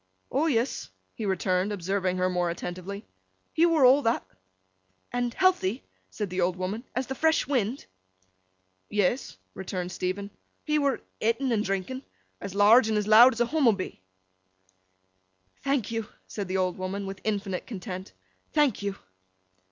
'O yes,' he returned, observing her more attentively, 'he were all that.' 'And healthy,' said the old woman, 'as the fresh wind?' 'Yes,' returned Stephen. 'He were ett'n and drinking—as large and as loud as a Hummobee.' 'Thank you!' said the old woman, with infinite content. 'Thank you!